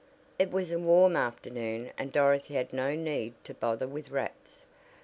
It was a warm afternoon and Dorothy had no need to bother with wraps.